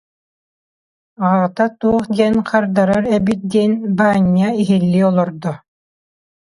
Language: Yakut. Аҕата туох диэн хардарар эбит диэн Баанньа иһиллии олордо.